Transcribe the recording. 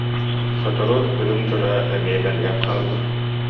Сотору үрүҥ дьураа эмиэ мэлийэн хаалла